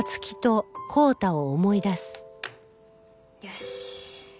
よし。